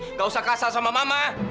nggak usah kasar sama mama